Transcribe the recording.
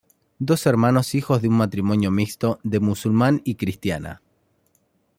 Dos hermanos hijos de un matrimonio mixto de musulmán y cristiana.